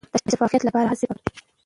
د شفافیت لپاره هڅې پکار دي.